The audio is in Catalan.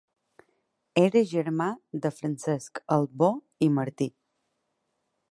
Era germà de Francesc Albó i Martí.